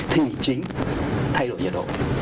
thì chính thay đổi nhiệt độ